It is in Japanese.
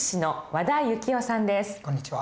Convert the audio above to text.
こんにちは。